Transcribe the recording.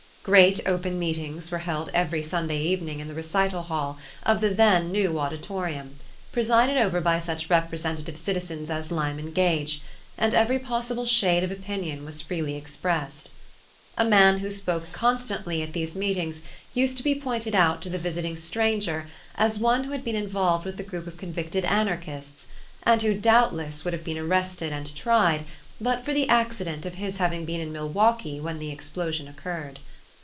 Great open meetings were held every Sunday evening in the recital hall of the then new auditorium, presided over by such representative citizens as Lyman Gage, and every possible shade of opinion was freely expressed. A man who spoke constantly at these meetings used to be pointed out to the visiting stranger as one who had been involved with the group of convicted anarchists, and who doubtless would have been arrested and tried, but for the accident of his having been in Milwaukee when the explosion occurred.